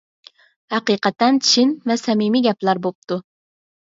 ھەقىقەتەن چىن ۋە سەمىمىي گەپلەر بوپتۇ.